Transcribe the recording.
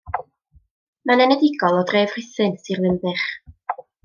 Mae'n enedigol o dref Rhuthun, Sir Ddinbych.